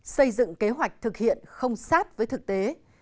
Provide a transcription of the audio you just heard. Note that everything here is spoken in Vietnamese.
xây dựng kế hoạch thực hiện không sát với thực tế